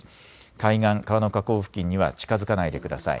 海岸、川の河口付近には近づかないでください。